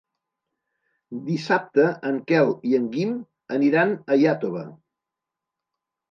Dissabte en Quel i en Guim aniran a Iàtova.